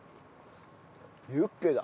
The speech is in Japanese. ユッケだ。